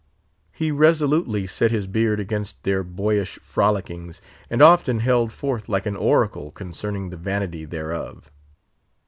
He resolutely set his beard against their boyish frolickings, and often held forth like an oracle concerning the vanity thereof.